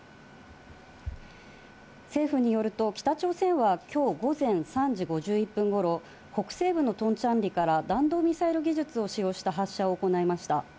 政府によると北朝鮮はきょう午前３時５１分ごろ、北西部のトンチャンリから、弾道ミサイル技術を使用した発射を行いました。